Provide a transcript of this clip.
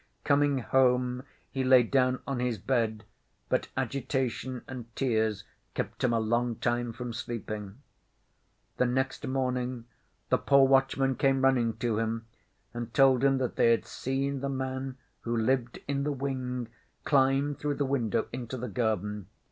Coming home, he lay down on his bed, but agitation and tears kept him a long time from sleeping... The next morning the poor watchman came running to him and told him that they had seen the man who lived in the wing climb through the window into the garden.